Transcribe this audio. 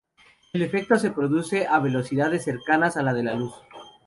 El efecto se produce a velocidades cercanas a la de la luz.